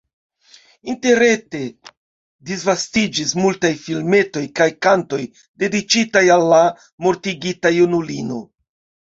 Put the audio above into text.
Interrete disvastiĝis multaj filmetoj kaj kantoj, dediĉitaj al la mortigita junulino.